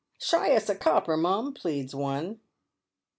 " Shy us a copper, mum," pleads one.